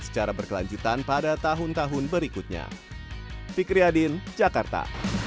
secara berkelanjutan pada tahun tahun berikutnya fikri adin jakarta